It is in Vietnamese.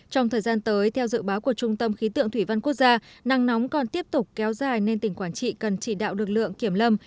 trong thời gian tới theo dự báo của trung tâm khí tượng thủy văn quốc gia nắng nóng còn tiếp tục kéo dài nên tỉnh quảng trị cần chỉ đạo lực lượng kiểm lâm